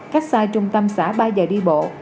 khách sai trung tâm xã ba giờ đi bộ